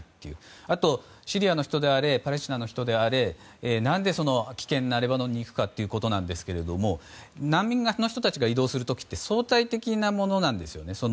あとシリアの人であれパレスチナの人であれ何で危険なレバノンに行くかですが難民側の人たちが移動する時って相対的なものなんです。